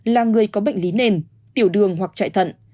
là người có bệnh lý nền tiểu đường hoặc chạy thận